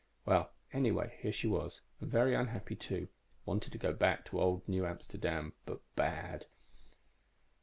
Well, anyway, here she was and very unhappy, too. Wanted to go back to old New Amsterdam, but bad.